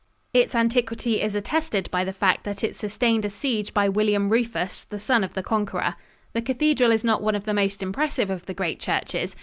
Its antiquity is attested by the fact that it sustained a siege by William Rufus, the son of the Conqueror. The cathedral is not one of the most impressive of the great churches.